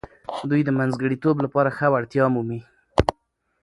دوی د منځګړیتوب لپاره ښه وړتیا مومي.